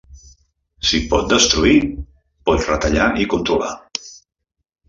Si pot destruir, pot retallar i controlar.